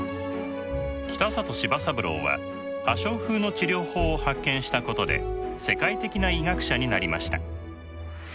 北里柴三郎は破傷風の治療法を発見したことで世界的な医学者になりました。